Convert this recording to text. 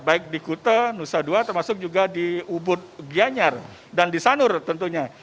baik di kute nusa dua termasuk juga di ubud gianyar dan di sanur tentunya